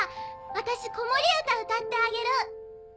私子守歌歌ってあげる。